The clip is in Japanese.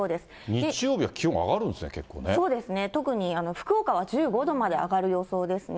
日曜日は気温が上がるんですね、そうですね、特に福岡は１５度まで上がる予想ですね。